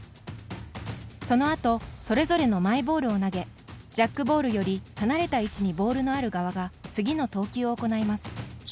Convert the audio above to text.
そのあと、それぞれのマイボールを投げジャックボールより離れた位置にボールのある側が次の投球を行います。